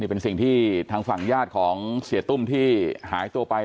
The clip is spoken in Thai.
เป็นสิ่งที่ทางฝั่งญาติของเสียตุ้มที่หายตัวไป